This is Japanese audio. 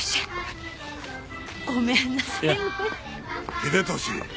秀俊。